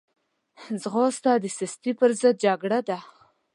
ځغاسته د سستي پر ضد جګړه ده